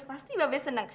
pasti be senang